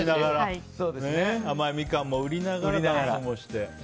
甘いミカンも売りながらダンスもしてと。